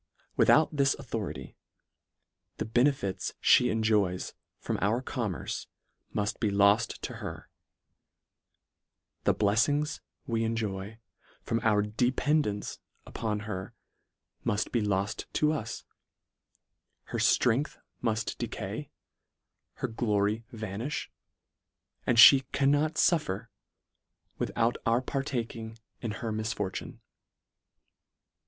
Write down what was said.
Without this authority, the benefits (be enjoys from our commerce, muft be loft to her : The bleflings we enjoy from our dependance up on her, muft be loft to us ; her ftrength muft decay; her glory vanifti; and lhe cannot fuf fer, without our partaking in her misfortune.